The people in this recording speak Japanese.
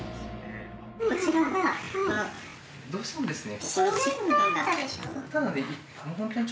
こちらがどうしてもですね。